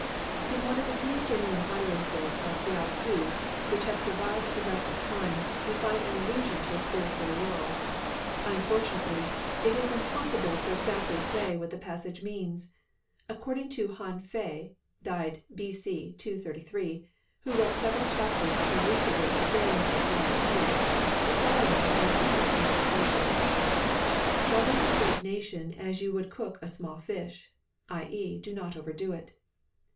In one of the few genuine utterances of Lao 46 TAOISM Tzu which have survived the wreck of time, we find an allusion to a spiritual world. Unfortun ately, it is impossible to say exactly what the passage means. According to Han Fei {died B.C. 233), who wrote several chapters to elucidate the sayings of Lao Tzu, the following is the correct interpretation :—'' Grovem a great nation as you would cook a small fish (i.e. do not overdo it).